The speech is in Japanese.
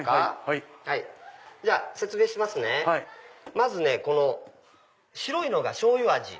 まず白いのがしょうゆ味。